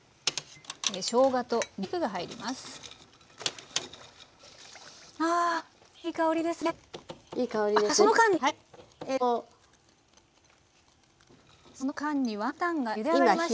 しょうがとにんにくが入ります。